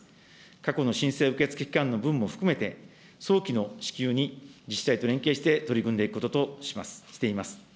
過去の申請受付期間の分も含めて、早期の支給に自治体と連携して取り組んでいくこととしています。